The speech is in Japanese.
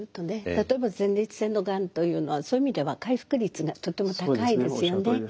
例えば前立腺のがんというのはそういう意味では回復率がとても高いですよね。